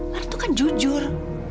lara tuh kan jujur